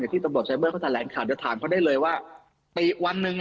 กับที่ตำรวจไซเบอร์ทางแหล่งข่าวจะถามเขาได้เลยว่าวันนึง